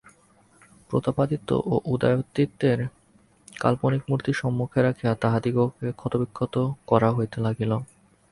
প্রতাপাদিত্য ও উদয়াদিত্যের কাল্পনিক মূর্তি সম্মুখে রাখিয়া তাহাদিগকে ক্ষতবিক্ষত করা হইতে লাগিল।